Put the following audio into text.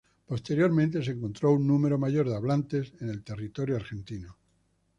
Posteriormente se encontró un número mayor de hablantes en el territorio argentino.